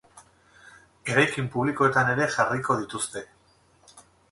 Eraikin publikoetan ere jarriko dituzte.